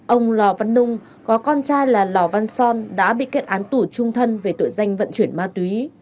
ông lò văn nung có con trai là lò văn son đã bị kết án tù trung thân về tội danh vận chuyển ma túy